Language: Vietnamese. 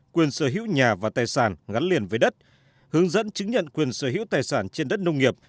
quyền sở hữu nhà và tài sản gắn liền với đất hướng dẫn chứng nhận quyền sở hữu tài sản trên đất nông nghiệp